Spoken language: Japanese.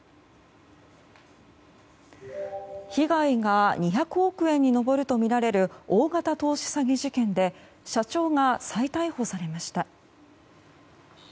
被害が２００億円に上るとみられる大型投資詐欺事件で社長が再逮捕されました。